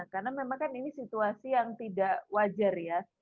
karena memang kan ini situasi yang tidak wajar ya